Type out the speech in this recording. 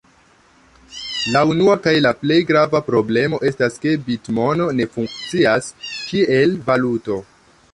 La unua kaj plej grava problemo estas ke bitmono ne funkcias kiel valuto.